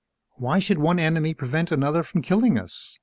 "Why should one enemy prevent another from killing us?"